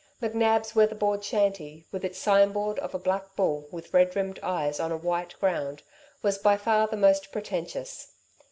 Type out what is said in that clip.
McNab's weatherboard shanty, with its sign board of a black bull, with red rimmed eyes on a white ground, was by far the most pretentious.